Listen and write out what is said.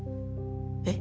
えっ？